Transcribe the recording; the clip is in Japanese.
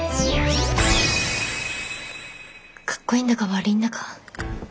カッコいいんだか悪いんだか。